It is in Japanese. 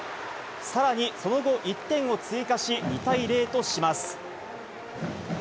さらに、その後、１点を追加し、２対０とします。